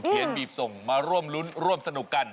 บีบส่งมาร่วมรุ้นร่วมสนุกกัน